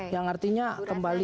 yang artinya kembali